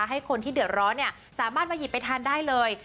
ให้คนที่เดือดร้อนสามารถมาหยิบไปทานได้เลย